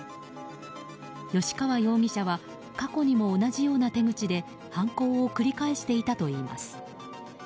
吉川容疑者は過去にも同じような手口で犯行を繰り返していたといいます。